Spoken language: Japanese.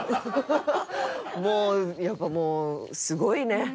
もうやっぱもうすごいね。